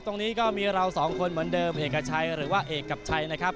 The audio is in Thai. ตรงนี้ก็มีเราสองคนเหมือนเดิมเอกชัยหรือว่าเอกกับชัยนะครับ